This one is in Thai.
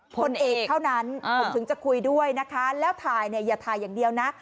ผลเอกเท่านั้นผมถึงจะคุยด้วยนะคะแล้วถ่ายเนี่ยอย่าถ่ายอย่างเดียวนะ